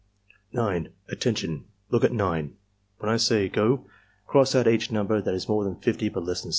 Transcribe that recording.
9. "Attention! Look at 9. When I say 'go' cross oui each number that is more than 50 but less than 60.